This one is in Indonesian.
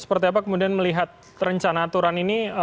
seperti apa kemudian melihat rencana aturan ini